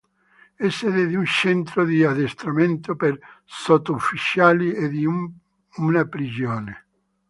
È sede di un centro di addestramento per sottufficiali e di una prigione.